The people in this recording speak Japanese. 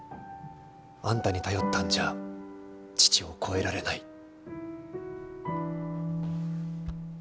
あんたに頼ったんじゃ父を超えられない。